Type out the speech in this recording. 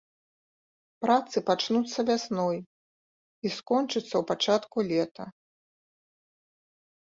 Працы пачнуцца вясной і скончыцца ў пачатку лета.